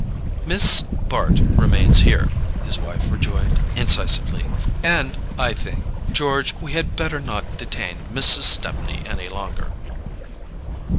"Miss Bart remains here," his wife rejoined incisively. "And, I think, George, we had better not detain Mrs. Stepney any longer."